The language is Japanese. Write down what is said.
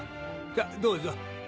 さぁどうぞ。